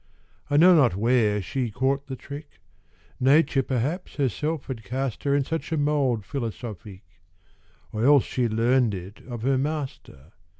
I know not where she caught the trick Nature perhaps herself had cast her In such a mould philosophique, Or else she learn'd it of her master.